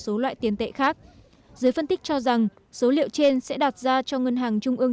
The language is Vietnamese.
số loại tiền tệ khác giới phân tích cho rằng số liệu trên sẽ đạt ra cho ngân hàng trung ương